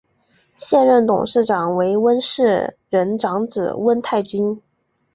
现任董事长为温世仁长子温泰钧。